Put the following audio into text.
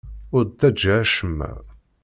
Ur d-ttaǧǧa acemma.